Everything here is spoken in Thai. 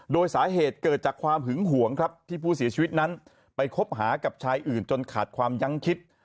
โดยสาเหตุเกิดจากความหึงหวงครับที่ผู้เสียชีวิตนั้นไปคบหากับชายอื่นจนขาดความยั้งคิด